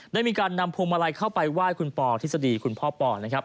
ได้มีการนำพวงมาลัยเข้าไปไหว้คุณปอทฤษฎีคุณพ่อปอนะครับ